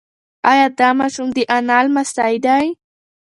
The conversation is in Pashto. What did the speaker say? ایا دا ماشوم د انا لمسی دی؟